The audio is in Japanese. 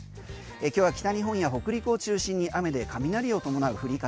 今日は北日本や北陸を中心に雨で雷を伴う降り方。